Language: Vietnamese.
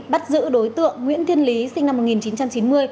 bắt giữ đối tượng nguyễn thiên lý sinh năm một nghìn chín trăm chín mươi